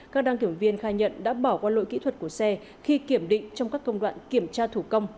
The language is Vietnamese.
các đăng kiểm viên khai nhận đã bỏ qua lỗi kỹ thuật của xe khi kiểm định trong các công đoạn kiểm tra thủ công